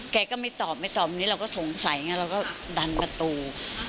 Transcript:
แกก็ไม่ตอบไม่สอบอย่างนี้เราก็สงสัยไงเราก็ดันประตู